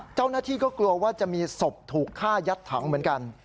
เจ้าหน้าที่ก็กลัวว่าจะมีศพถูกฆ่ายัดถังเหมือนกัน